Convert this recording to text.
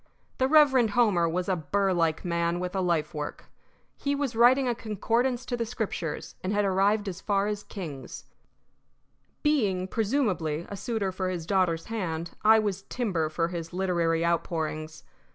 The Reverend Homer was a burr like man with a life work. He was writing a concordance to the Scriptures, and had arrived as far as Kings. Being, presumably, a suitor for his daughter's hand, I was timber for his literary outpourings.